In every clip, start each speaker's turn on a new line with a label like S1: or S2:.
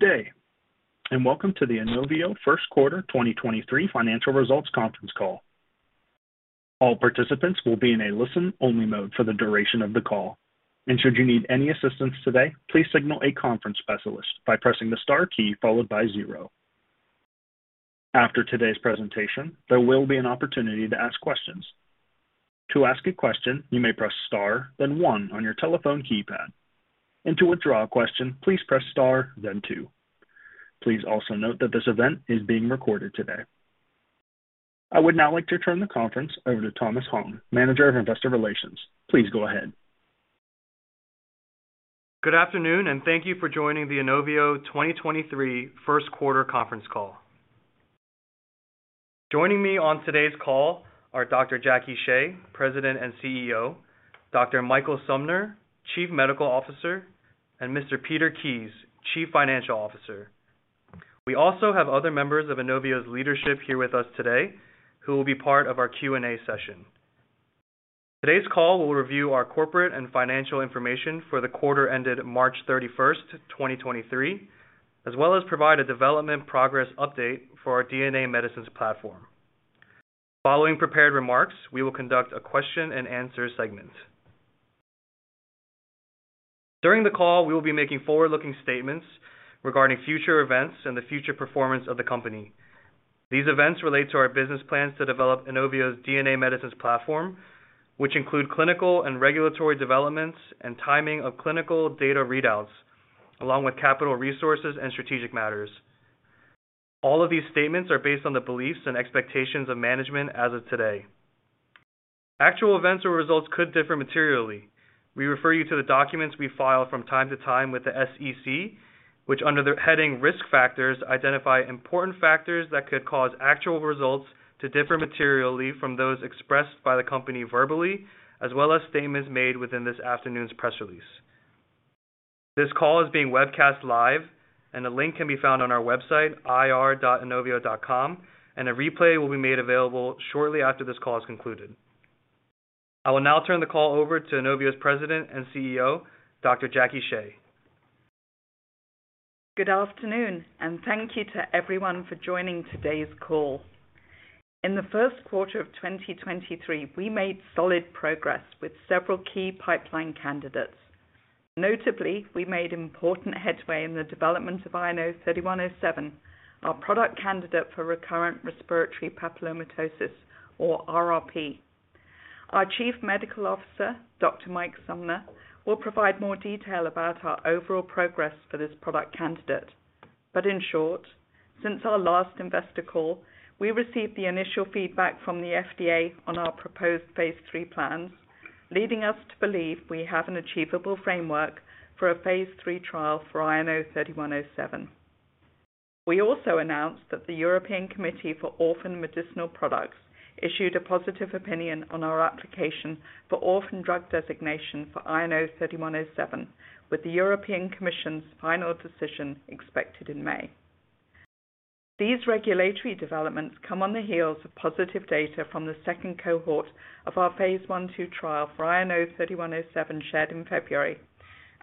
S1: Good day, and welcome to the Inovio First Quarter 2023 Financial Results Conference Call. All participants will be in a listen-only mode for the duration of the call. Should you need any assistance today, please signal a conference specialist by pressing the star key followed by zero. After today's presentation, there will be an opportunity to ask questions. To ask a question, you may press star, then one on your telephone keypad. To withdraw a question, please press star then two. Please also note that this event is being recorded today. I would now like to turn the conference over to Thomas Hong, Manager of Investor Relations. Please go ahead.
S2: Good afternoon, and thank you for joining the Inovio 2023 First Quarter Conference call. Joining me on today's call are Dr. Jacqueline Shea, President and CEO, Dr. Michael Sumner, Chief Medical Officer, and Mr. Peter Kies, Chief Financial Officer. We also have other members of Inovio's leadership here with us today who will be part of our Q&A session. Today's call will review our corporate and financial information for the quarter ended March 31, 2023, as well as provide a development progress update for our DNA medicines platform. Following prepared remarks, we will conduct a question-and-answer segment. During the call, we will be making forward-looking statements regarding future events and the future performance of the company. These events relate to our business plans to develop Inovio's DNA medicines platform, which include clinical and regulatory developments and timing of clinical data readouts, along with capital resources and strategic matters. All of these statements are based on the beliefs and expectations of management as of today. Actual events or results could differ materially. We refer you to the documents we file from time to time with the SEC, which under the heading Risk Factors, identify important factors that could cause actual results to differ materially from those expressed by the company verbally, as well as statements made within this afternoon's press release. This call is being webcast live and the link can be found on our website, ir.inovio.com, and a replay will be made available shortly after this call is concluded. I will now turn the call over to Inovio's President and CEO, Dr. Jacqueline Shea.
S3: Good afternoon. Thank you to everyone for joining today's call. In the first quarter of 2023, we made solid progress with several key pipeline candidates. Notably, we made important headway in the development of INO-3107, our product candidate for recurrent respiratory papillomatosis, or RRP. Our Chief Medical Officer, Dr. Mike Sumner, will provide more detail about our overall progress for this product candidate. In short, since our last investor call, we received the initial feedback from the FDA on our proposed phase III plans, leading us to believe we have an achievable framework for a phase III trial for INO-3107. We also announced that the European Committee for Orphan Medicinal Products issued a positive opinion on our application for orphan drug designation for INO-3107, with the European Commission's final decision expected in May. These regulatory developments come on the heels of positive data from the 2nd cohort of our phase I/II trial for INO-3107 shared in February,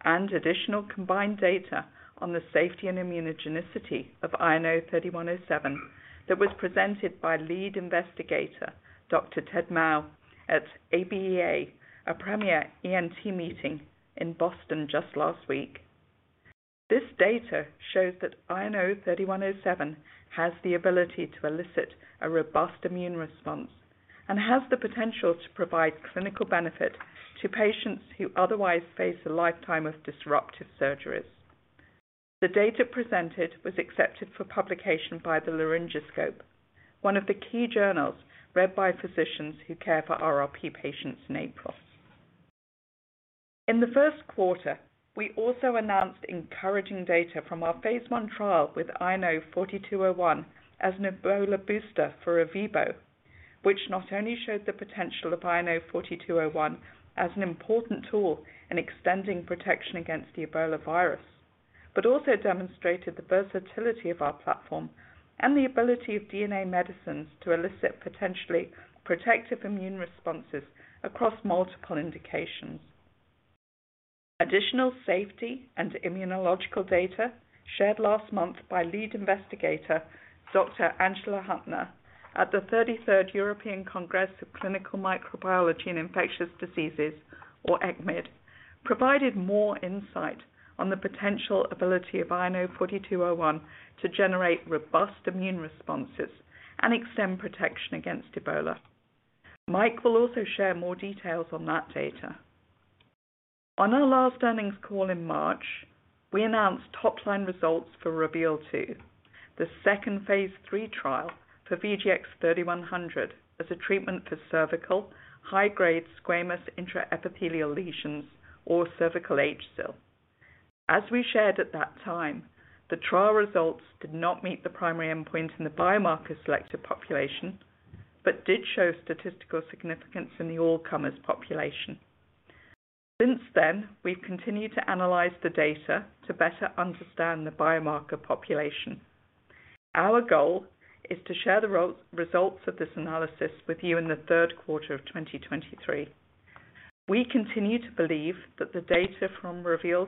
S3: and additional combined data on the safety and immunogenicity of INO-3107 that was presented by Lead Investigator Dr. Ted Mau at ABEA, a premier ENT meeting in Boston just last week. This data shows that INO-3107 has the ability to elicit a robust immune response and has the potential to provide clinical benefit to patients who otherwise face a lifetime of disruptive surgeries. The data presented was accepted for publication by The Laryngoscope, one of the key journals read by physicians who care for RRP patients in April. In the first quarter, we also announced encouraging data from our phase I trial with INO-4201 as an Ebola booster for Ervebo, which not only showed the potential of INO-4201 as an important tool in extending protection against the Ebola virus, but also demonstrated the versatility of our platform and the ability of DNA medicines to elicit potentially protective immune responses across multiple indications. Additional safety and immunological data shared last month by Lead Investigator Dr. Angela Huttner at the 33rd European Congress of Clinical Microbiology and Infectious Diseases, or ECCMID, provided more insight on the potential ability of INO-4201 to generate robust immune responses and extend protection against Ebola. Michael Sumner will also share more details on that data. On our last earnings call in March, we announced top line results for REVEAL 2, the second phase III trial for VGX-3100 as a treatment for cervical high-grade squamous intraepithelial lesions, or cervical HSIL. As we shared at that time, the trial results did not meet the primary endpoint in the biomarker selected population, but did show statistical significance in the all-comers population. Since then, we've continued to analyze the data to better understand the biomarker population. Our goal is to share the results of this analysis with you in the 3rd quarter of 2023. We continue to believe that the data from REVEAL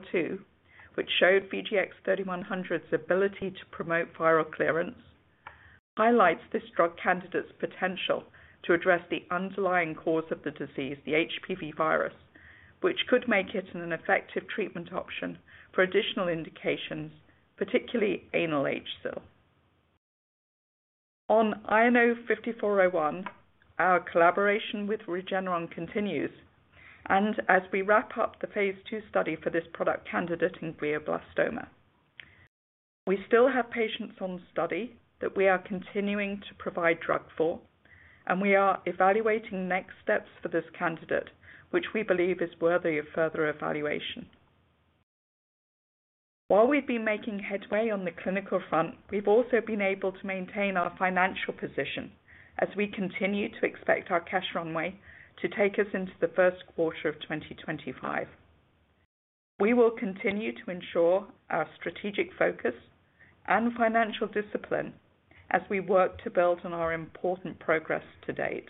S3: 2, which showed VGX-3100's ability to promote viral clearance, highlights this drug candidate's potential to address the underlying cause of the disease, the HPV virus, which could make it an effective treatment option for additional indications, particularly anal HSIL. On INO-3107, our collaboration with Regeneron continues. As we wrap up the phase II study for this product candidate in glioblastoma. We still have patients on study that we are continuing to provide drug for. We are evaluating next steps for this candidate, which we believe is worthy of further evaluation. While we've been making headway on the clinical front, we've also been able to maintain our financial position as we continue to expect our cash runway to take us into the first quarter of 2025. We will continue to ensure our strategic focus and financial discipline as we work to build on our important progress to date.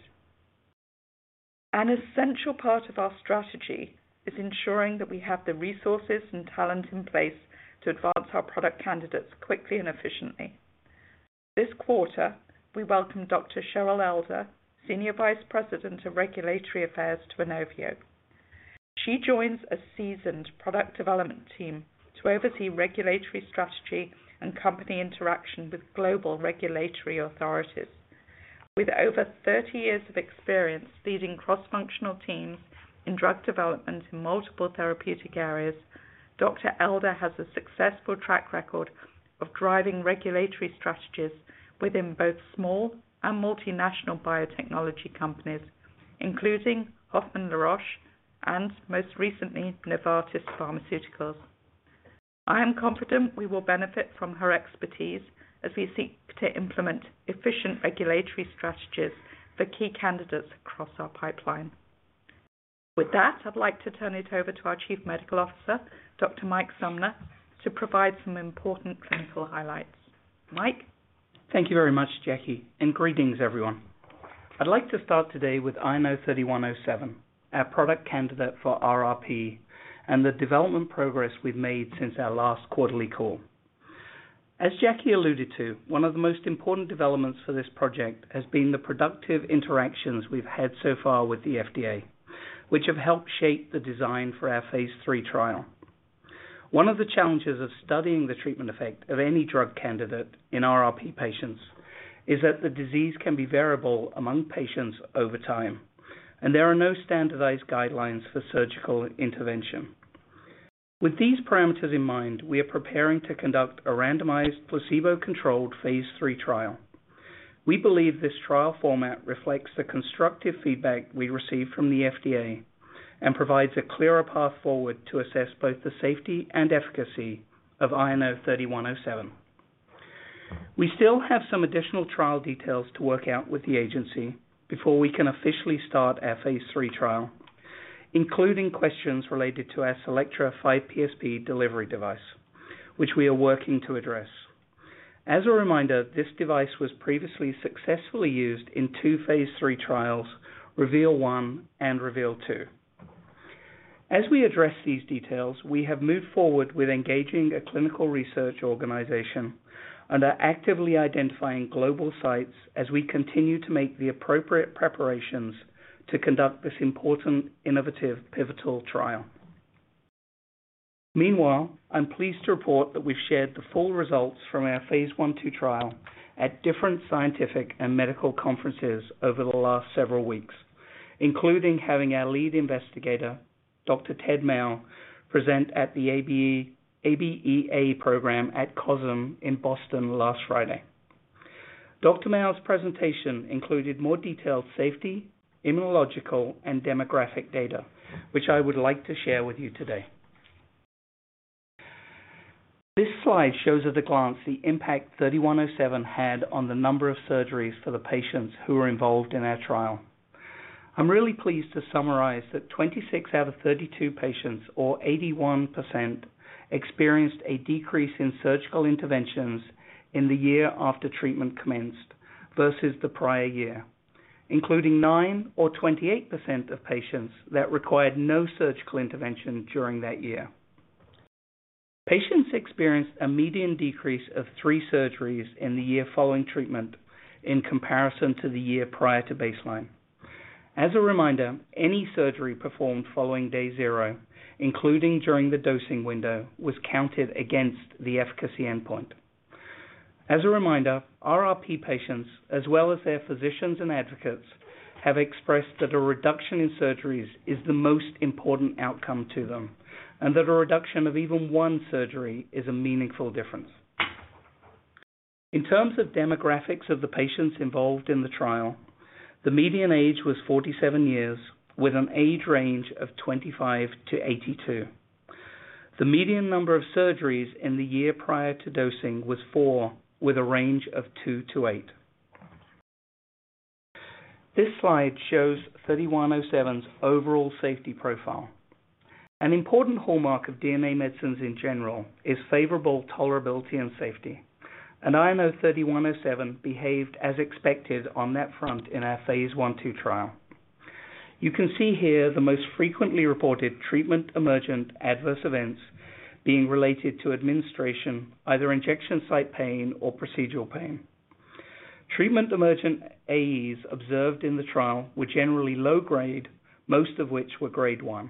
S3: An essential part of our strategy is ensuring that we have the resources and talent in place to advance our product candidates quickly and efficiently. This quarter, we welcome Dr. Cheryl Elder, Senior Vice President of Regulatory Affairs to Inovio. She joins a seasoned product development team to oversee regulatory strategy and company interaction with global regulatory authorities. With over 30 years of experience leading cross-functional teams in drug development in multiple therapeutic areas, Dr. Elder has a successful track record of driving regulatory strategies within both small and multinational biotechnology companies, including F. Hoffmann-La Roche and most recently, Novartis Pharmaceuticals. I am confident we will benefit from her expertise as we seek to implement efficient regulatory strategies for key candidates across our pipeline. With that, I'd like to turn it over to our Chief Medical Officer, Dr. Mike Sumner, to provide some important clinical highlights. Mike?
S4: Thank you very much, Jackie. Greetings everyone. I'd like to start today with INO-3107, our product candidate for RRP, and the development progress we've made since our last quarterly call. As Jackie alluded to, one of the most important developments for this project has been the productive interactions we've had so far with the FDA, which have helped shape the design for our phase III trial. One of the challenges of studying the treatment effect of any drug candidate in RRP patients is that the disease can be variable among patients over time, and there are no standardized guidelines for surgical intervention. With these parameters in mind, we are preparing to conduct a randomized placebo-controlled phase III trial. We believe this trial format reflects the constructive feedback we received from the FDA and provides a clearer path forward to assess both the safety and efficacy of INO-3107. We still have some additional trial details to work out with the agency before we can officially start our phase III trial, including questions related to our CELLECTRA 5PSP delivery device, which we are working to address. As a reminder, this device was previously successfully used in 2 phase III trials, REVEAL 1 and REVEAL 2. As we address these details, we have moved forward with engaging a clinical research organization and are actively identifying global sites as we continue to make the appropriate preparations to conduct this important innovative pivotal trial. Meanwhile, I'm pleased to report that we've shared the full results from our phase I/2 trial at different scientific and medical conferences over the last several weeks, including having our Lead Investigator, Dr. Ted Mau, present at the ABEA program at COSM in Boston last Friday. Dr. Mau's presentation included more detailed safety, immunological, and demographic data, which I would like to share with you today. This slide shows at a glance the impact INO-3107 had on the number of surgeries for the patients who were involved in our trial. I'm really pleased to summarize that 26 out of 32 patients or 81% experienced a decrease in surgical interventions in the year after treatment commenced versus the prior year, including 9 or 28% of patients that required no surgical intervention during that year. Patients experienced a median decrease of 3 surgeries in the year following treatment in comparison to the year prior to baseline. As a reminder, any surgery performed following day 0, including during the dosing window, was counted against the efficacy endpoint. As a reminder, RRP patients, as well as their physicians and advocates, have expressed that a reduction in surgeries is the most important outcome to them and that a reduction of even one surgery is a meaningful difference. In terms of demographics of the patients involved in the trial, the median age was 47 years, with an age range of 25 to 82. The median number of surgeries in the year prior to dosing was 4, with a range of 2 to 8. This slide shows INO-3107's overall safety profile. An important hallmark of DNA medicines in general is favorable tolerability and safety. INO-3107 behaved as expected on that front in our phase I/2 trial. You can see here the most frequently reported treatment emergent adverse events being related to administration, either injection site pain or procedural pain. Treatment emergent AEs observed in the trial were generally low grade, most of which were grade 1.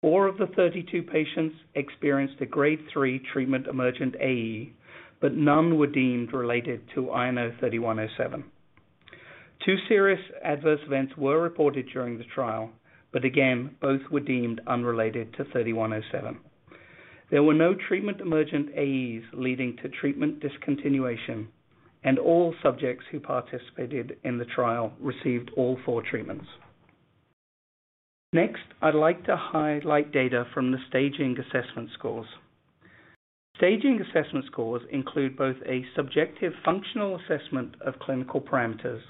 S4: 4 of the 32 patients experienced a grade 3 treatment emergent AE, but none were deemed related to INO-3107. 2 serious adverse events were reported during the trial, but again, both were deemed unrelated to INO-3107. There were no treatment emergent AEs leading to treatment discontinuation, and all subjects who participated in the trial received all 4 treatments. Next, I'd like to highlight data from the staging assessment scores. Staging assessment scores include both a subjective functional assessment of clinical parameters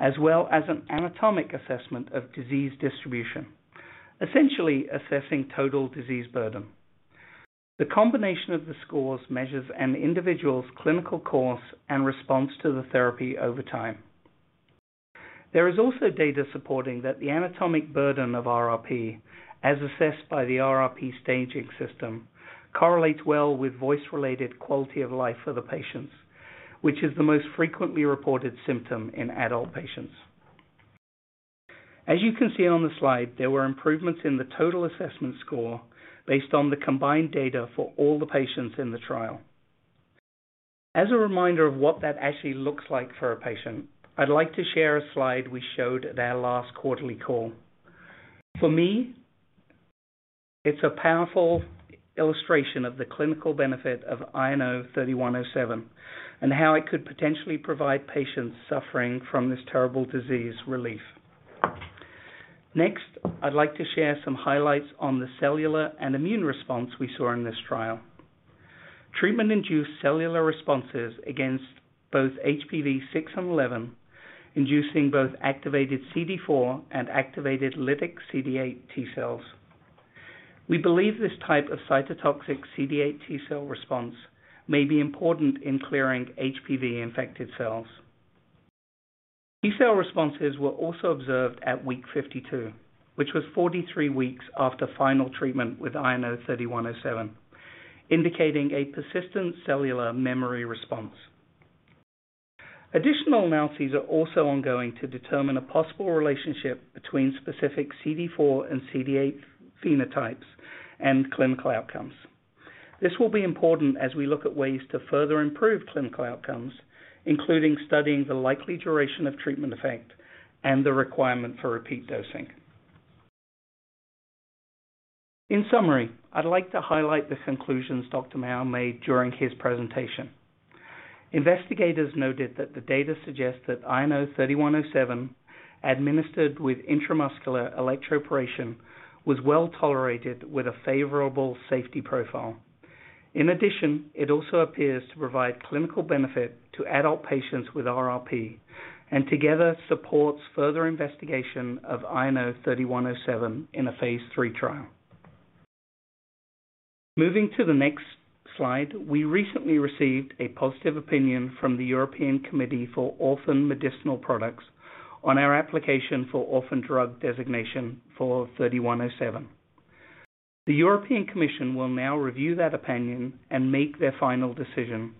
S4: as well as an anatomic assessment of disease distribution, essentially assessing total disease burden. The combination of the scores measures an individual's clinical course and response to the therapy over time. There is also data supporting that the anatomic burden of RRP, as assessed by the RRP staging system, correlates well with voice-related quality of life for the patients, which is the most frequently reported symptom in adult patients. As you can see on the slide, there were improvements in the total assessment score based on the combined data for all the patients in the trial. As a reminder of what that actually looks like for a patient, I'd like to share a slide we showed at our last quarterly call. For me, it's a powerful illustration of the clinical benefit of INO-3107 and how it could potentially provide patients suffering from this terrible disease relief. Next, I'd like to share some highlights on the cellular and immune response we saw in this trial. Treatment-induced cellular responses against both HPV 6 and 11, inducing both activated CD4 and activated lytic CD8 T cells. We believe this type of cytotoxic CD8 T cell response may be important in clearing HPV-infected cells. T cell responses were also observed at week 52, which was 43 weeks after final treatment with INO-3107, indicating a persistent cellular memory response. Additional analyses are also ongoing to determine a possible relationship between specific CD4 and CD8 phenotypes and clinical outcomes. This will be important as we look at ways to further improve clinical outcomes, including studying the likely duration of treatment effect and the requirement for repeat dosing. In summary, I'd like to highlight the conclusions Dr. Mau made during his presentation. Investigators noted that the data suggests that INO-3107, administered with intramuscular electroporation, was well-tolerated with a favorable safety profile. It also appears to provide clinical benefit to adult patients with RRP, and together supports further investigation of INO-3107 in a phase III trial. Moving to the next slide, we recently received a positive opinion from the European Committee for Orphan Medicinal Products on our application for Orphan Drug Designation for INO-3107. The European Committee will now review that opinion and make their final decision,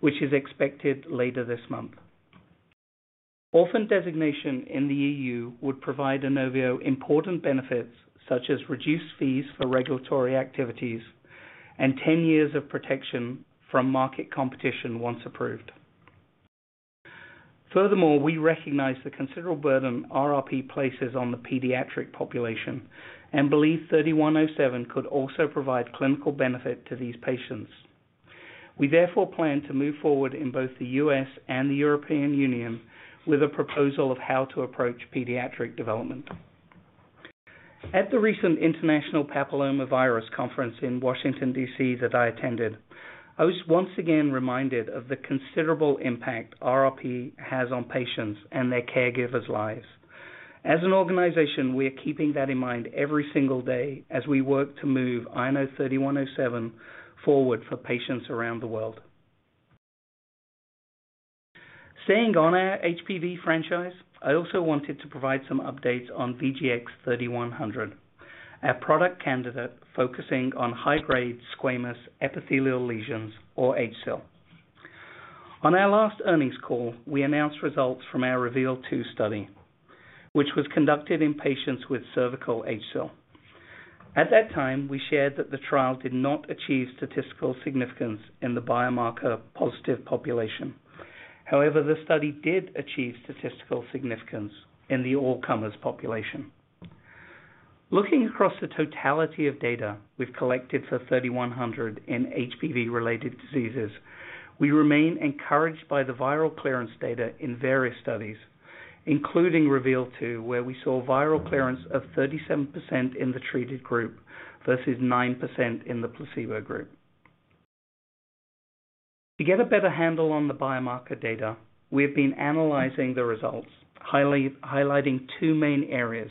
S4: which is expected later this month. Orphan Drug Designation in the EU would provide Inovio important benefits such as reduced fees for regulatory activities and 10 years of protection from market competition once approved. We recognize the considerable burden RRP places on the pediatric population and believe INO-3107 could also provide clinical benefit to these patients. We therefore plan to move forward in both the U.S. and the European Union with a proposal of how to approach pediatric development. At the recent International Papillomavirus Conference in Washington, D.C. that I attended, I was once again reminded of the considerable impact RRP has on patients and their caregivers' lives. As an organization, we are keeping that in mind every single day as we work to move INO-3107 forward for patients around the world. Staying on our HPV franchise, I also wanted to provide some updates on VGX-3100, our product candidate focusing on high-grade squamous epithelial lesions or HSIL. On our last earnings call, we announced results from our REVEAL 2 study, which was conducted in patients with cervical HSIL. At that time, we shared that the trial did not achieve statistical significance in the biomarker-positive population. The study did achieve statistical significance in the all-comers population. Looking across the totality of data we've collected for 3100 in HPV-related diseases, we remain encouraged by the viral clearance data in various studies, including REVEAL 2, where we saw viral clearance of 37% in the treated group versus 9% in the placebo group. To get a better handle on the biomarker data, we have been analyzing the results, highlighting two main areas.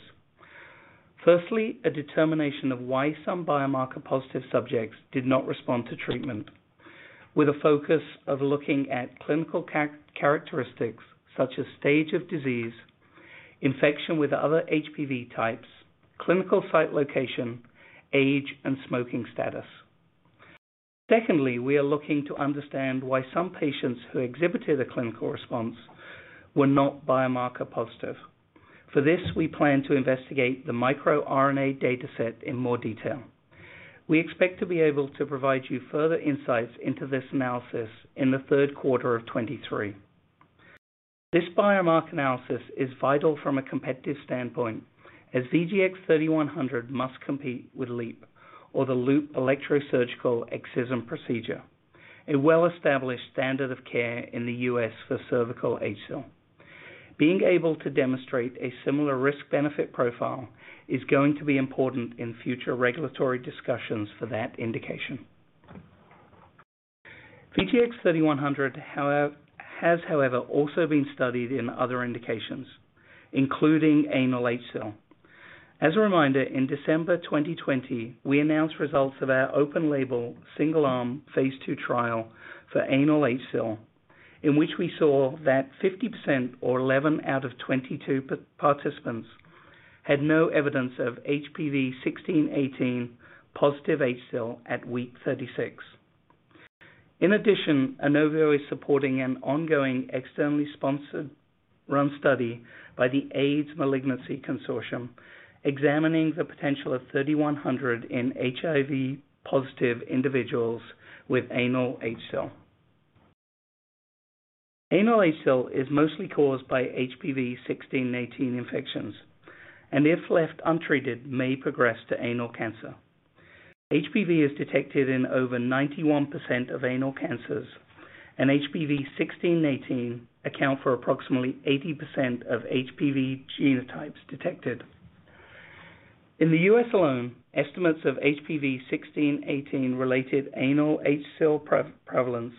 S4: Firstly, a determination of why some biomarker positive subjects did not respond to treatment, with a focus of looking at clinical characteristics such as stage of disease, infection with other HPV types, clinical site location, age, and smoking status. Secondly, we are looking to understand why some patients who exhibited a clinical response were not biomarker positive. For this, we plan to investigate the microRNA data set in more detail. We expect to be able to provide you further insights into this analysis in the third quarter of 2023. This biomarker analysis is vital from a competitive standpoint, as VGX-3100 must compete with LEEP or the loop electrosurgical excision procedure, a well-established standard of care in the U.S. for cervical HSIL. Being able to demonstrate a similar risk-benefit profile is going to be important in future regulatory discussions for that indication. VGX-3100 has however, also been studied in other indications, including anal HSIL. As a reminder, in December 2020, we announced results of our open label, single-arm, phase II trial for anal HSIL, in which we saw that 50% or 11 out of 22 participants had no evidence of HPV 16/18 positive HSIL at week 36. In addition, Inovio is supporting an ongoing externally sponsored study by the AIDS Malignancy Consortium, examining the potential of 3100 in HIV-positive individuals with anal HSIL. Anal HSIL is mostly caused by HPV 16 and 18 infections, and if left untreated, may progress to anal cancer. HPV is detected in over 91% of anal cancers, and HPV 16 and 18 account for approximately 80% of HPV genotypes detected. In the U.S. alone, estimates of HPV 16/18 related anal HSIL prevalence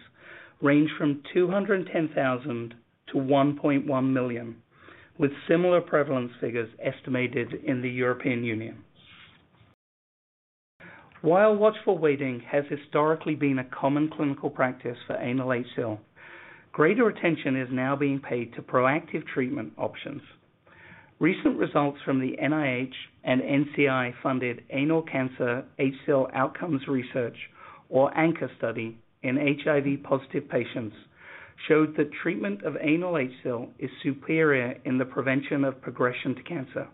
S4: range from 210,000 to 1.1 million, with similar prevalence figures estimated in the European Union. While watchful waiting has historically been a common clinical practice for anal HSIL, greater attention is now being paid to proactive treatment options. Recent results from the NIH and NCI funded Anal Cancer HSIL Outcomes research, or ANCHOR study in HIV positive patients showed that treatment of anal HSIL is superior in the prevention of progression to cancer.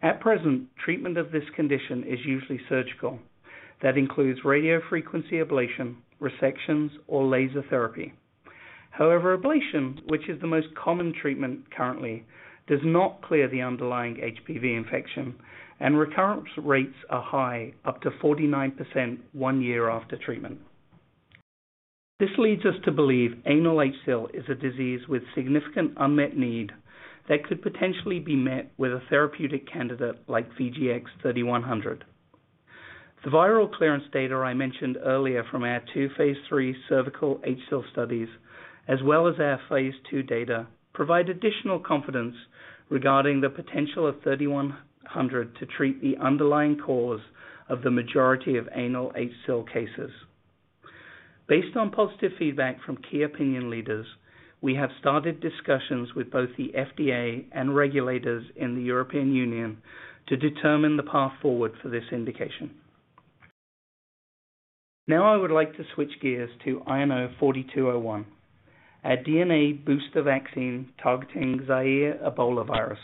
S4: At present, treatment of this condition is usually surgical. That includes radiofrequency ablation, resections or laser therapy. However, ablation, which is the most common treatment currently, does not clear the underlying HPV infection, and recurrence rates are high, up to 49% one year after treatment. This leads us to believe anal HSIL is a disease with significant unmet need that could potentially be met with a therapeutic candidate like VGX-3100. The viral clearance data I mentioned earlier from our two phase III cervical HSIL studies as well as our phase II data, provide additional confidence regarding the potential of 3100 to treat the underlying cause of the majority of anal HSIL cases. Based on positive feedback from key opinion leaders, we have started discussions with both the FDA and regulators in the European Union to determine the path forward for this indication. I would like to switch gears to INO-4201, a DNA booster vaccine targeting Zaire ebolavirus.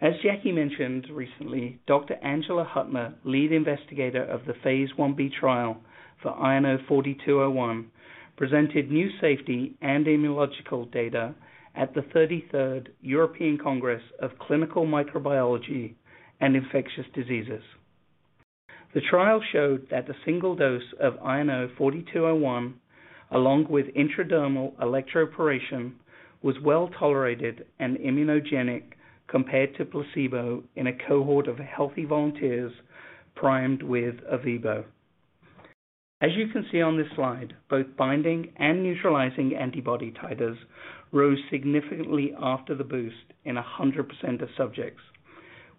S4: As Jackie mentioned recently, Dr. Angela Huttner, lead investigator of the phase Ib trial for INO-4201, presented new safety and immunological data at the 33rd European Congress of Clinical Microbiology and Infectious Diseases. The trial showed that the single dose of INO-4201, along with intradermal electroporation, was well-tolerated and immunogenic compared to placebo in a cohort of healthy volunteers primed with Ervebo. As you can see on this slide, both binding and neutralizing antibody titers rose significantly after the boost in 100% of subjects,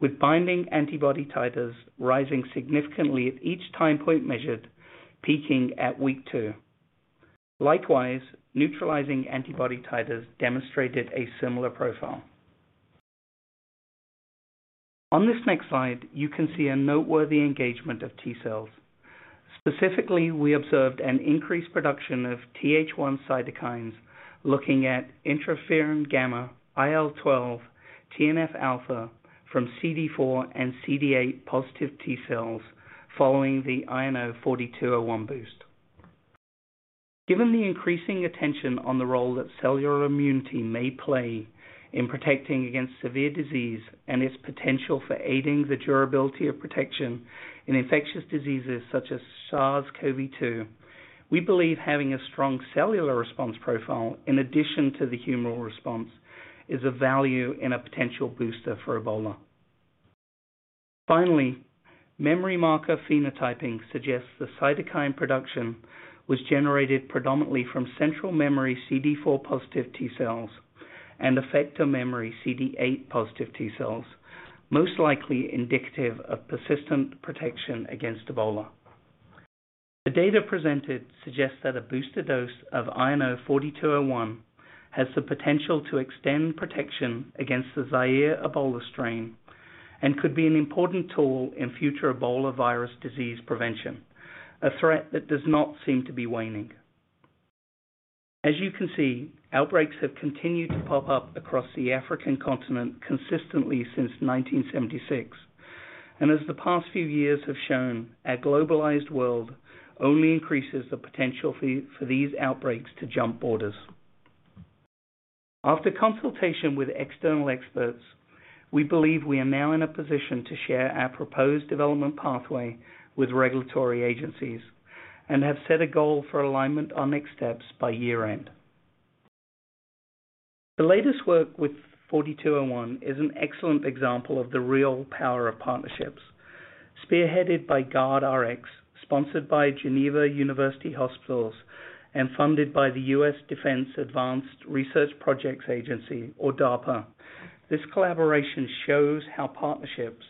S4: with binding antibody titers rising significantly at each time point measured, peaking at week 2. Likewise, neutralizing antibody titers demonstrated a similar profile. On this next slide, you can see a noteworthy engagement of T cells. Specifically, we observed an increased production of Th1 cytokines looking at interferon gamma, IL-12, TNF alpha from CD4 and CD8 positive T cells following the INO-4201 boost. Given the increasing attention on the role that cellular immunity may play in protecting against severe disease and its potential for aiding the durability of protection in infectious diseases such as SARS-CoV-2, we believe having a strong cellular response profile in addition to the humoral response, is a value and a potential booster for Ebola. Finally, memory marker phenotyping suggests the cytokine production was generated predominantly from central memory CD4 positive T cells and effector memory CD8 positive T cells, most likely indicative of persistent protection against Ebola. The data presented suggests that a booster dose of INO-4201 has the potential to extend protection against the Zaire ebolavirus strain and could be an important tool in future Ebola virus disease prevention, a threat that does not seem to be waning. As you can see, outbreaks have continued to pop up across the African continent consistently since 1976, and as the past few years have shown, our globalized world only increases the potential for these outbreaks to jump borders. After consultation with external experts, we believe we are now in a position to share our proposed development pathway with regulatory agencies and have set a goal for alignment on next steps by year-end. The latest work with 4201 is an excellent example of the real power of partnerships. Spearheaded by GuardRX, sponsored by Geneva University Hospitals, and funded by the US Defense Advanced Research Projects Agency, or DARPA, this collaboration shows how partnerships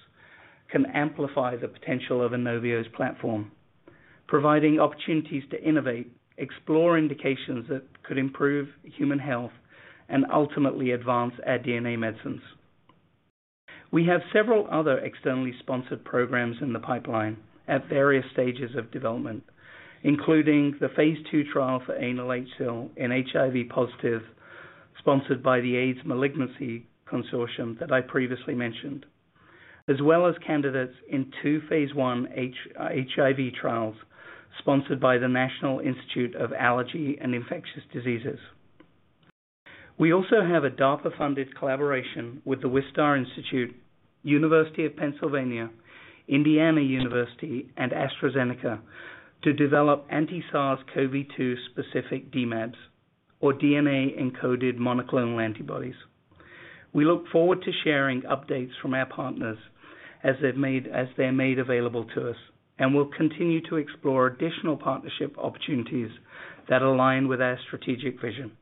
S4: can amplify the potential of Inovio's platform, providing opportunities to innovate, explore indications that could improve human health, and ultimately advance our DNA medicines. We have several other externally sponsored programs in the pipeline at various stages of development, including the phase II trial for anal HSIL in HIV positive, sponsored by the AIDS Malignancy Consortium that I previously mentioned, as well as candidates in 2 phase I HIV trials sponsored by the National Institute of Allergy and Infectious Diseases. We also have a DARPA-funded collaboration with the Wistar Institute, University of Pennsylvania, Indiana University, and AstraZeneca to develop anti-SARS-CoV-2 specific DMAbs, or DNA-encoded monoclonal antibodies. We look forward to sharing updates from our partners as they're made available to us, and we'll continue to explore additional partnership opportunities that align with our strategic vision.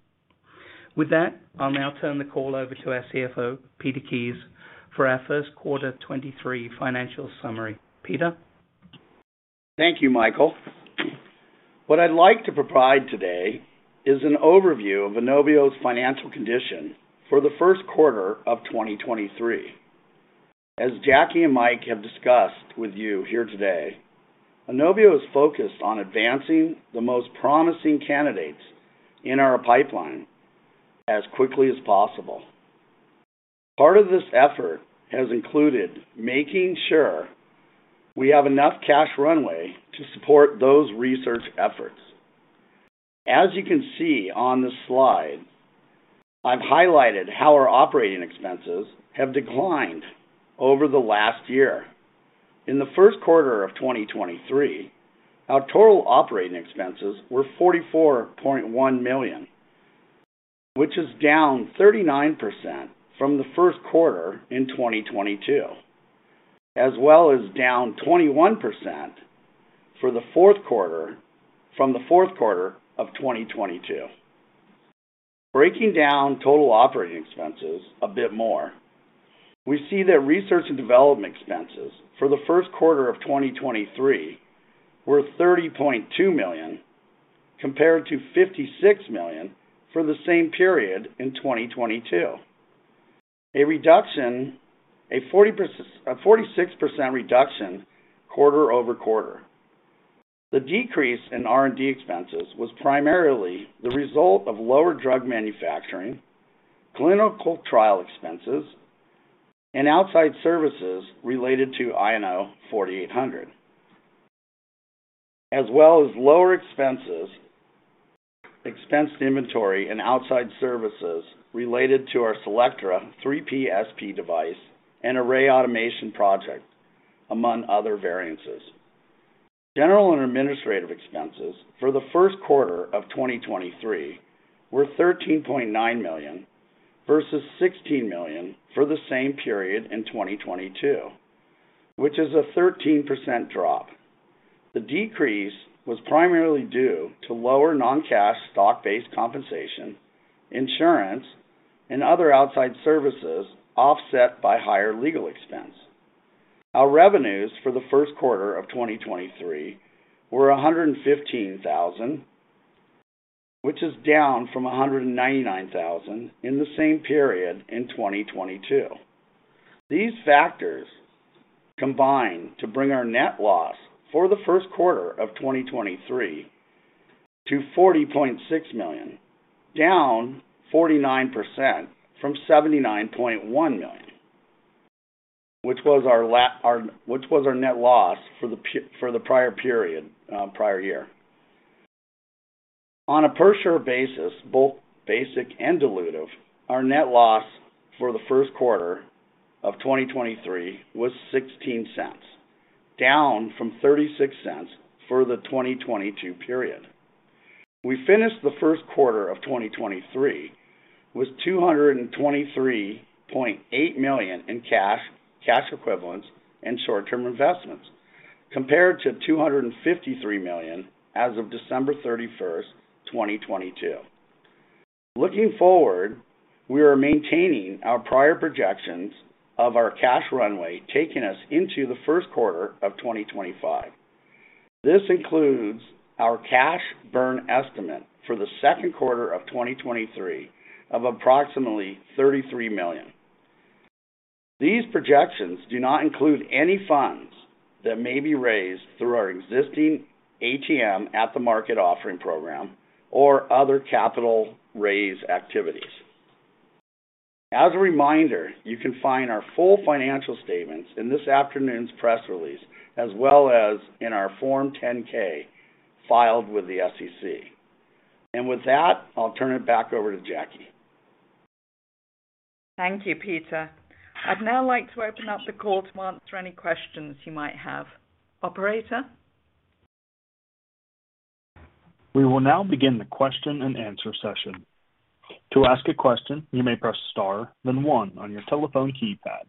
S4: With that, I'll now turn the call over to our CFO, Peter Kies, for our first quarter 23 financial summary. Peter?
S5: Thank you, Michael. What I'd like to provide today is an overview of Inovio's financial condition for the first quarter of 2023. As Jackie and Mike have discussed with you here today, Inovio is focused on advancing the most promising candidates in our pipeline as quickly as possible. Part of this effort has included making sure we have enough cash runway to support those research efforts. As you can see on the slide, I've highlighted how our operating expenses have declined over the last year. In the first quarter of 2023, our total operating expenses were $44.1 million, which is down 39% from the first quarter in 2022, as well as down 21% from the fourth quarter of 2022. Breaking down total operating expenses a bit more, we see that research and development expenses for the first quarter of 2023 were $30.2 million compared to $56 million for the same period in 2022. A 46% reduction quarter-over-quarter. The decrease in R&D expenses was primarily the result of lower drug manufacturing, clinical trial expenses, and outside services related to INO-4800, as well as lower expenses, expensed inventory and outside services related to our CELLECTRA 3PSP device and array automation project, among other variances. General and administrative expenses for the first quarter of 2023 were $13.9 million versus $16 million for the same period in 2022, which is a 13% drop. The decrease was primarily due to lower non-cash stock-based compensation, insurance, and other outside services offset by higher legal expense. Our revenues for the first quarter of 2023 were $115,000, which is down from $199,000 in the same period in 2022. These factors combine to bring our net loss for the first quarter of 2023 to $40.6 million, down 49% from $79.1 million, which was our net loss for the prior period, prior year. On a per share basis, both basic and dilutive, our net loss for the first quarter of 2023 was $0.16. Down from $0.36 for the 2022 period. We finished the first quarter of 2023 with $223.8 million in cash equivalents, and short-term investments, compared to $253 million as of December 31st, 2022. Looking forward, we are maintaining our prior projections of our cash runway, taking us into the first quarter of 2025. This includes our cash burn estimate for the second quarter of 2023 of approximately $33 million. These projections do not include any funds that may be raised through our existing ATM at the market offering program or other capital raise activities. As a reminder, you can find our full financial statements in this afternoon's press release as well as in our Form 10-K filed with the SEC. With that, I'll turn it back over to Jackie.
S3: Thank you, Peter. I'd now like to open up the call to answer any questions you might have. Operator?
S1: We will now begin the question-and-answer session. To ask a question, you may press star, then one on your telephone keypad.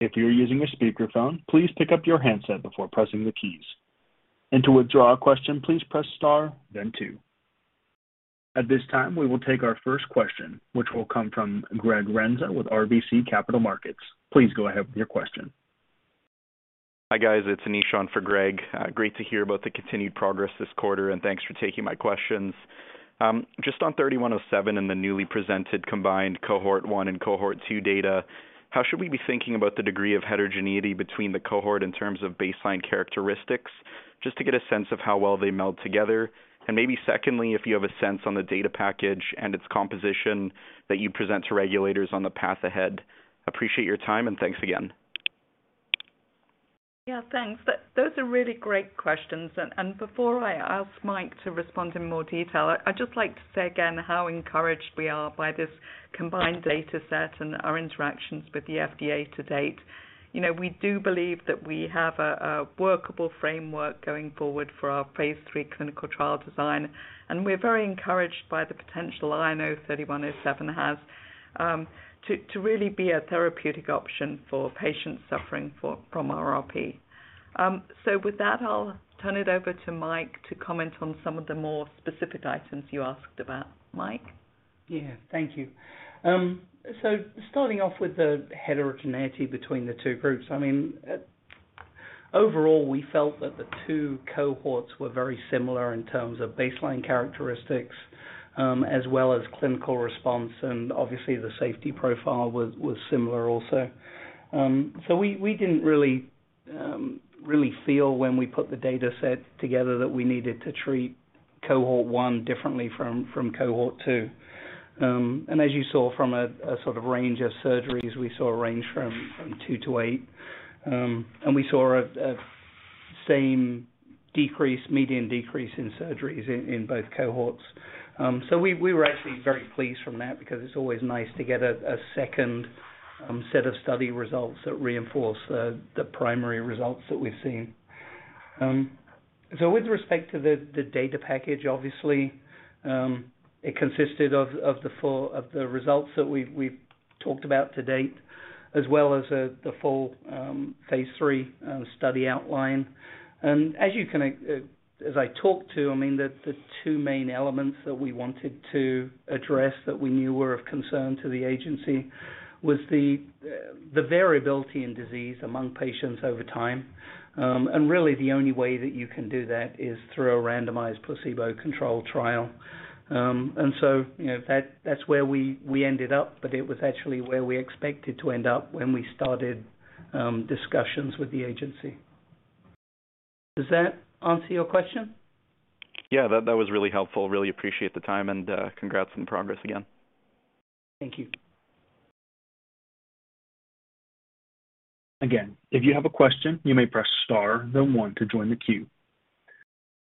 S1: If you're using a speakerphone, please pick up your handset before pressing the keys. To withdraw a question, please press star then two. At this time, we will take our first question, which will come from Greg Renza with RBC Capital Markets. Please go ahead with your question.
S6: Hi, guys. It's Anish on for Greg. Great to hear about the continued progress this quarter. Thanks for taking my questions. Just on 3107 and the newly presented combined cohort 1 and cohort 2 data, how should we be thinking about the degree of heterogeneity between the cohort in terms of baseline characteristics, just to get a sense of how well they meld together? Maybe secondly, if you have a sense on the data package and its composition that you present to regulators on the path ahead. Appreciate your time, and thanks again.
S3: Yeah, thanks. those are really great questions. Before I ask Mike to respond in more detail, I'd just like to say again how encouraged we are by this combined data set and our interactions with the FDA to date. You know, we do believe that we have a workable framework going forward for our phase III clinical trial design, and we're very encouraged by the potential INO-3107 has to really be a therapeutic option for patients suffering from RRP. With that, I'll turn it over to Mike to comment on some of the more specific items you asked about. Mike?
S4: Yeah. Thank you. Starting off with the heterogeneity between the two groups, I mean, overall, we felt that the two cohorts were very similar in terms of baseline characteristics, as well as clinical response, and obviously the safety profile was similar also. We, we didn't really feel when we put the data set together that we needed to treat cohort 1 differently from cohort 2. As you saw from a sort of range of surgeries, we saw a range from 2-8. We saw a same decrease, median decrease in surgeries in both cohorts. We were actually very pleased from that because it's always nice to get a second set of study results that reinforce the primary results that we've seen. With respect to the data package, obviously, it consisted of the results that we've talked about to date, as well as the full phase III study outline. As I talked to, I mean, the two main elements that we wanted to address that we knew were of concern to the agency was the variability in disease among patients over time. Really the only way that you can do that is through a randomized placebo-controlled trial. You know, that's where we ended up, but it was actually where we expected to end up when we started discussions with the agency. Does that answer your question?
S6: Yeah. That was really helpful. Really appreciate the time and congrats on progress again.
S4: Thank you.
S1: If you have a question, you may press star then one to join the queue.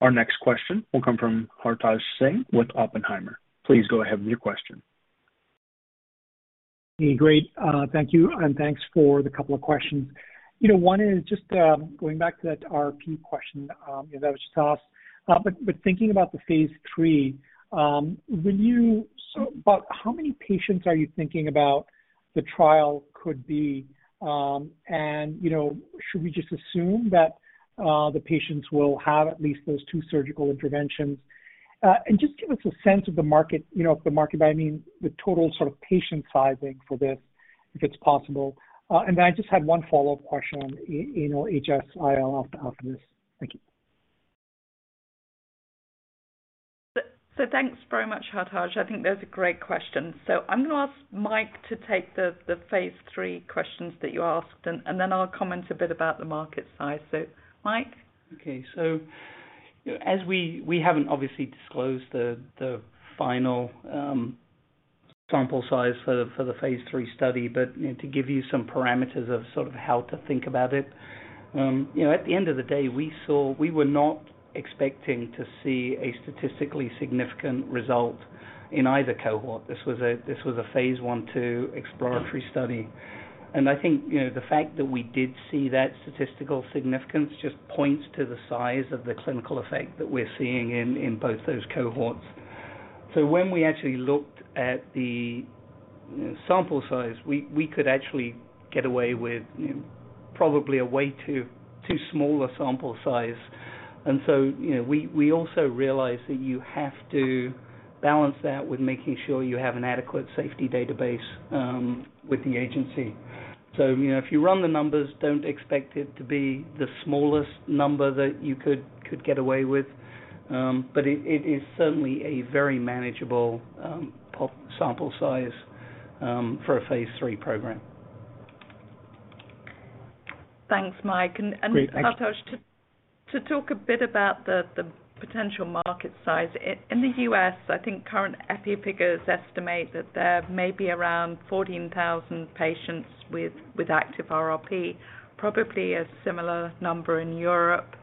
S1: Our next question will come from Hartaj Singh with Oppenheimer. Please go ahead with your question.
S7: Hey. Great. Thank you, and thanks for the 2 questions. You know, one is just, going back to that RRP question that was just asked. Thinking about the phase III, how many patients are you thinking about the trial could be? You know, should we just assume that the patients will have at least those 2 surgical interventions? Just give us a sense of the market, you know, the market, I mean, the total sort of patient sizing for this, if it's possible. Then I just had 1 follow-up question on, you know, HSIL after this. Thank you.
S3: Thanks very much, Hartaj. I think those are great questions. I'm gonna ask Mike to take the phase III questions that you asked, and then I'll comment a bit about the market size. Mike?
S4: You know, as we haven't obviously disclosed the final sample size for the phase III study, but, you know, to give you some parameters of sort of how to think about it, you know, at the end of the day, we saw... We were not expecting to see a statistically significant result in either cohort. This was a phase I to exploratory study. I think, you know, the fact that we did see that statistical significance just points to the size of the clinical effect that we're seeing in both those cohorts. When we actually looked at the, you know, sample size, we could actually get away with, you know, probably a way too small a sample size. You know, we also realize that you have to balance that with making sure you have an adequate safety database with the agency. You know, if you run the numbers, don't expect it to be the smallest number that you could get away with. It, it is certainly a very manageable sample size for a phase III program.
S3: Thanks, Mike.
S4: Great. Thank you.
S3: Hartaj Singh, to talk a bit about the potential market size. In the U.S., I think current epi figures estimate that there may be around 14,000 patients with active RRP, probably a similar number in Europe.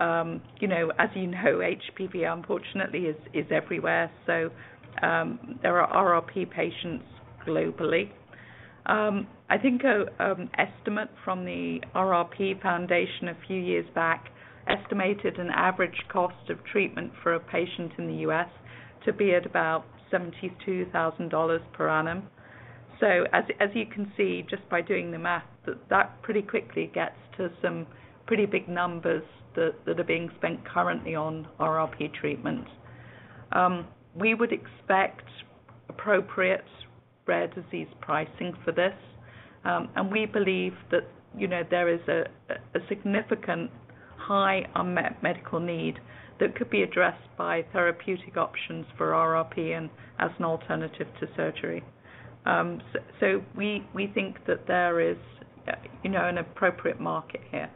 S3: You know, as you know, HPV unfortunately is everywhere. There are RRP patients globally. I think estimate from the Recurrent Respiratory Papillomatosis Foundation a few years back estimated an average cost of treatment for a patient in the U.S. to be at about $72,000 per annum. As you can see just by doing the math, that pretty quickly gets to some pretty big numbers that are being spent currently on RRP treatment. We would expect appropriate rare disease pricing for this. We believe that, you know, there is a significant high unmet medical need that could be addressed by therapeutic options for RRP and as an alternative to surgery. We think that there is, you know, an appropriate market here.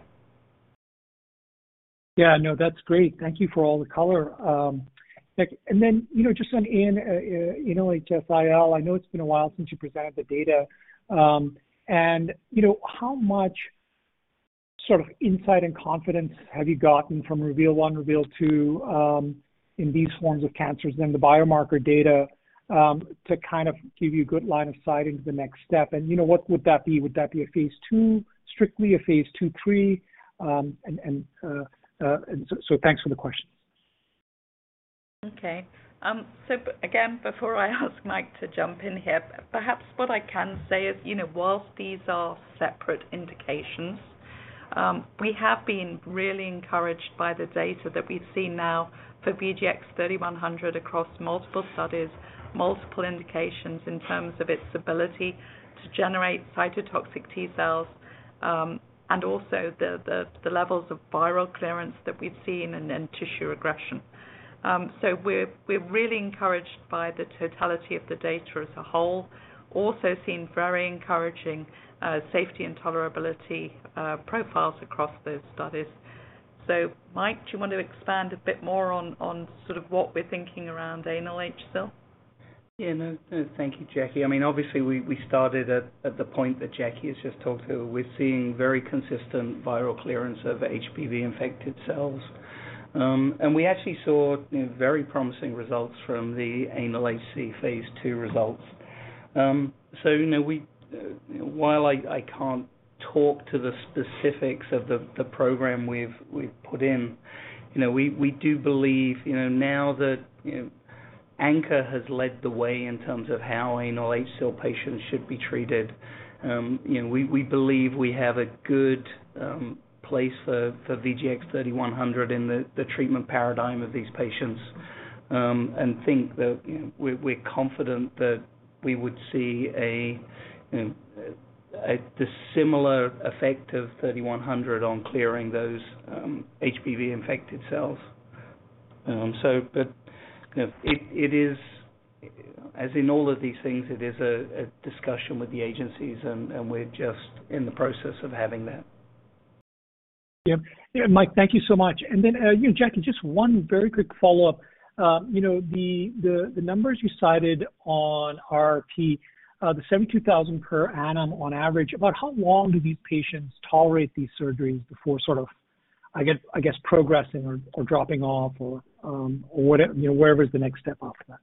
S7: Yeah, no, that's great. Thank you for all the color. you know, just on anal HSIL, I know it's been a while since you presented the data. you know, how much sort of insight and confidence have you gotten from REVEAL 1, REVEAL 2, in these forms of cancers, then the biomarker data, to kind of give you a good line of sight into the next step? you know, what would that be? Would that be a phase II, strictly a phase II/3? thanks for the question.
S3: Again, before I ask Mike to jump in here, perhaps what I can say is, you know, whilst these are separate indications, we have been really encouraged by the data that we've seen now for VGX-3100 across multiple studies, multiple indications in terms of its ability to generate cytotoxic T cells, and also the levels of viral clearance that we've seen and tissue regression. We're really encouraged by the totality of the data as a whole. Also seen very encouraging safety and tolerability profiles across those studies. Mike, do you want to expand a bit more on sort of what we're thinking around anal HSIL?
S4: No, no. Thank you, Jackie. I mean, obviously we started at the point that Jackie has just talked to. We're seeing very consistent viral clearance of HPV infected cells. We actually saw, you know, very promising results from the anal HSIL phase II results. You know, we, while I can't talk to the specifics of the program we've put in, you know, we do believe, you know, now that, you know, ANCHOR has led the way in terms of how anal HSIL patients should be treated, you know, we believe we have a good place for VGX-3100 in the treatment paradigm of these patients. Think that, you know, we're confident that we would see a similar effect of 3100 on clearing those HPV infected cells. You know, it is as in all of these things, it is a discussion with the agencies and we're just in the process of having that.
S7: Yeah. Yeah. Mike, thank you so much. You Jackie, just one very quick follow-up. You know, the, the numbers you cited on RRP, the 72,000 per annum on average, about how long do these patients tolerate these surgeries before sort of, I guess progressing or dropping off or, you know, wherever is the next step after that?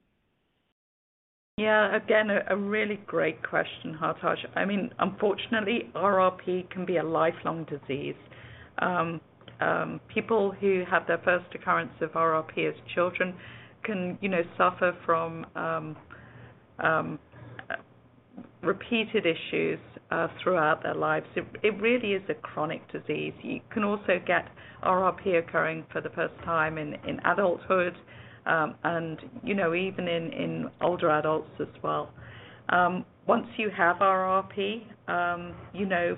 S3: Yeah, again, a really great question, Hartosh. I mean, unfortunately, RRP can be a lifelong disease. People who have their first occurrence of RRP as children can, you know, suffer from repeated issues throughout their lives. It really is a chronic disease. You can also get RRP occurring for the first time in adulthood, and you know, even in older adults as well. Once you have RRP, you know,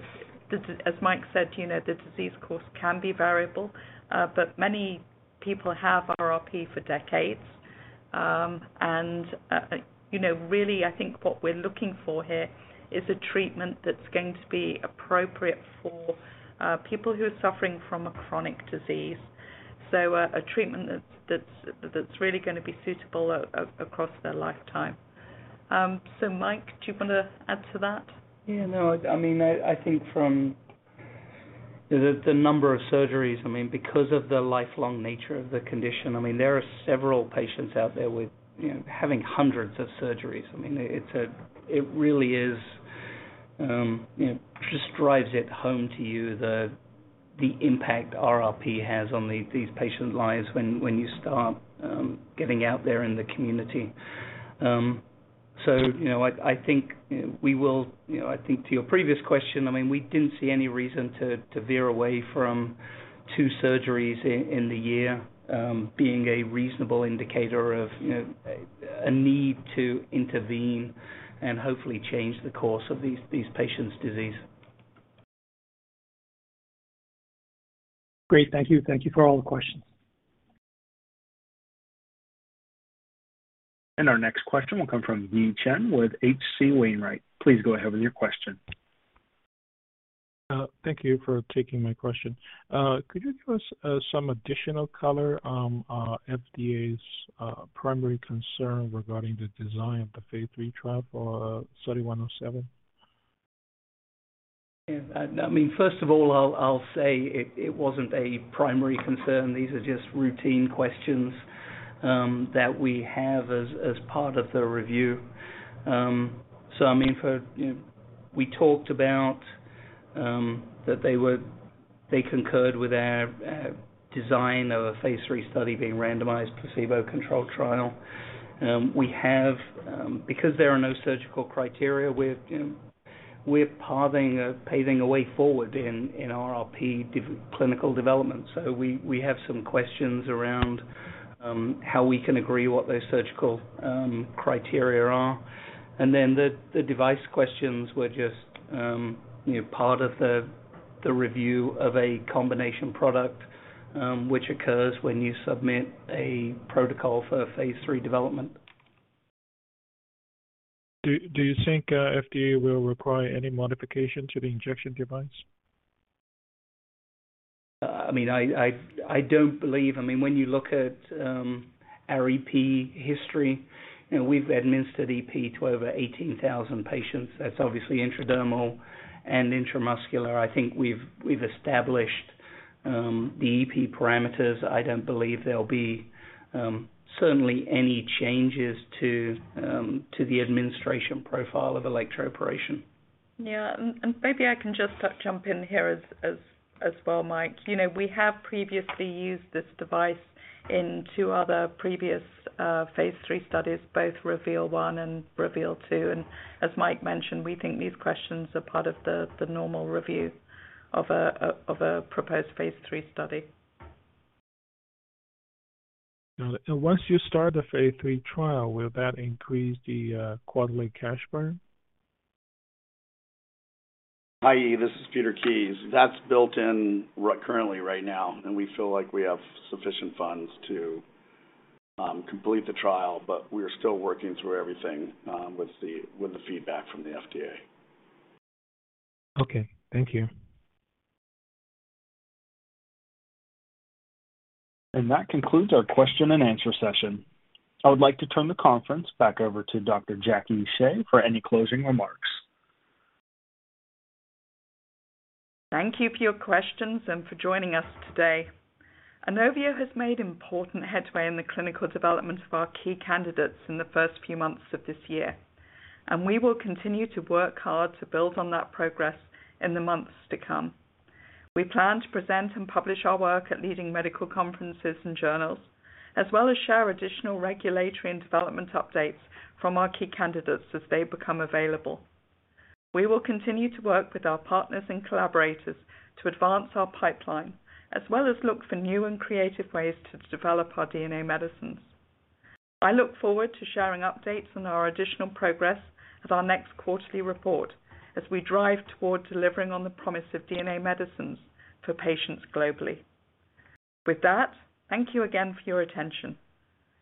S3: as Mike said, you know, the disease course can be variable, but many people have RRP for decades. You know, really, I think what we're looking for here is a treatment that's going to be appropriate for people who are suffering from a chronic disease. A treatment that's really gonna be suitable across their lifetime. Mike, do you wanna add to that?
S4: Yeah, no, I mean, I think The, the number of surgeries, I mean, because of the lifelong nature of the condition, I mean, there are several patients out there with, you know, having hundreds of surgeries. I mean, it really is, you know, just drives it home to you the impact RRP has on these patients' lives when you start, getting out there in the community. You know, I think we will, you know, I think to your previous question, I mean, we didn't see any reason to veer away from 2 surgeries in the year, being a reasonable indicator of, you know, a need to intervene and hopefully change the course of these patients' disease.
S7: Great. Thank you. Thank you for all the questions.
S1: Our next question will come from Yi Chen with H.C. Wainwright. Please go ahead with your question.
S8: Thank you for taking my question. Could you give us some additional color on FDA's primary concern regarding the design of the phase III trial for study 3107?
S4: I mean, first of all, I'll say it wasn't a primary concern. These are just routine questions that we have as part of the review. I mean, for, you know, we talked about that they concurred with our design of a phase III study being randomized placebo-controlled trial. We have, because there are no surgical criteria, we're, you know, we're paving a way forward in RRP clinical development. We have some questions around how we can agree what those surgical criteria are. Then the device questions were just, you know, part of the review of a combination product, which occurs when you submit a protocol for phase III development.
S8: Do you think FDA will require any modification to the injection device?
S4: I mean, I don't believe. I mean, when you look at our EP history, you know, we've administered EP to over 18,000 patients. That's obviously intradermal and intramuscular. I think we've established the EP parameters. I don't believe there'll be certainly any changes to the administration profile of electroporation.
S3: Yeah. Maybe I can just jump in here as well, Mike. You know, we have previously used this device in 2 other previous phase III studies, both REVEAL 1 and REVEAL 2. As Mike mentioned, we think these questions are part of the normal review of a proposed phase III study.
S8: Once you start the phase III trial, will that increase the quarterly cash burn?
S5: Hi. This is Peter Kies. That's built in currently right now, and we feel like we have sufficient funds to complete the trial, but we're still working through everything with the feedback from the FDA.
S8: Okay. Thank you.
S1: That concludes our question and answer session. I would like to turn the conference back over to Dr. Jacqueline Shea for any closing remarks.
S3: Thank you for your questions and for joining us today. Inovio has made important headway in the clinical development of our key candidates in the first few months of this year. We will continue to work hard to build on that progress in the months to come. We plan to present and publish our work at leading medical conferences and journals, as well as share additional regulatory and development updates from our key candidates as they become available. We will continue to work with our partners and collaborators to advance our pipeline, as well as look for new and creative ways to develop our DNA medicines. I look forward to sharing updates on our additional progress at our next quarterly report as we drive toward delivering on the promise of DNA medicines for patients globally. Thank you again for your attention.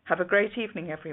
S3: Have a great evening, everyone.